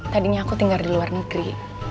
tadinya aku tinggal di luar negeri